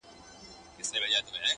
o بلا له خپلي لمني پورته کېږي٫